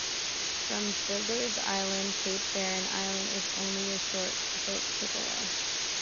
From Flinders Island, Cape Barren island is only a short boat trip away.